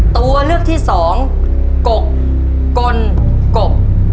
ตัวเลือกที่สองกกลกบ